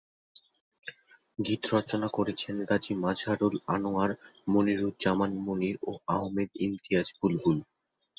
গীত রচনা করেছেন গাজী মাজহারুল আনোয়ার, মনিরুজ্জামান মনির ও আহমেদ ইমতিয়াজ বুলবুল।